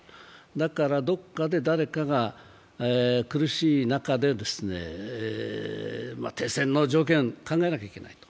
だからどこかで誰かが苦しい中で、停戦の条件を考えなきゃいけない。